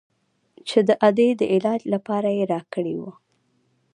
چې د ادې د علاج لپاره يې راكړى و.